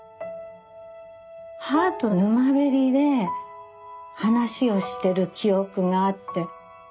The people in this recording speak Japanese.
母と沼べりで話をしてる記憶があって。